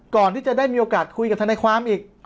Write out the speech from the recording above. ก่อนที่จะได้มีโอกาสคุยกับทนายความอีก